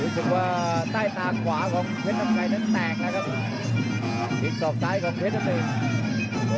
รู้สึกว่าใต้ตาขวาของเพชรทำชัยนั้นแตกแล้วกันอีกสองท้ายของเพชรทำชัย